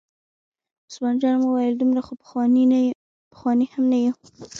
عثمان جان وویل: دومره خو پخواني هم نه یو.